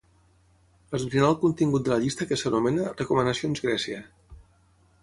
Esbrinar el contingut de la llista que s'anomena "recomanacions Grècia".